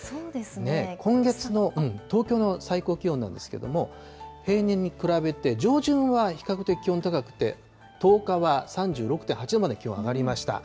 今月の東京の最高気温なんですけれども、平年に比べて上旬は比較的、気温高くて、１０日は３６．８度まで気温上がりました。